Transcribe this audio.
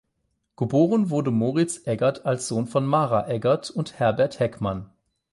Geboren wurde Moritz Eggert als Sohn von Mara Eggert und Herbert Heckmann.